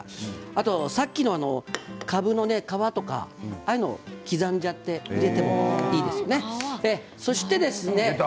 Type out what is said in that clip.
あと、さっきのかぶの皮とかああいうのを刻んで入れてもいいですね。